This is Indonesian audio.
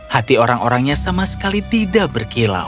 hati orang orangnya sama sekali tidak berkilau